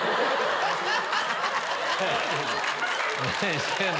何してんの。